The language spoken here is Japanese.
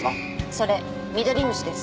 それミドリムシです。